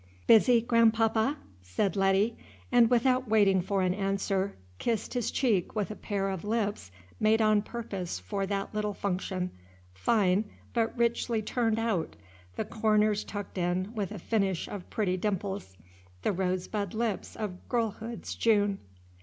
"Busy, grandpapa?" said Letty, and without waiting for an answer kissed his cheek with a pair of lips made on purpose for that little function, fine, but richly turned out, the corners tucked in with a finish of pretty dimples, the rose bud lips of girlhood's June.